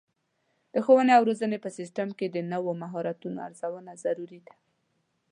د ښوونې او روزنې په سیستم کې د نوو مهارتونو ارزونه ضروري ده.